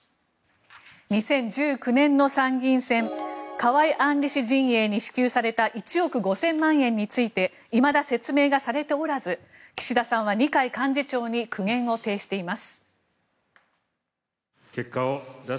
２０１９年の参議院選河井案里氏陣営に支給された１億５０００万円についていまだ説明がされておらず岸田さんは二階幹事長に苦言を呈しています。